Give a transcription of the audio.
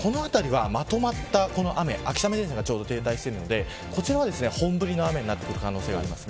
この辺りはまとまった雨、秋雨前線が停滞しているのでこちらは本降りの雨になる可能性があります。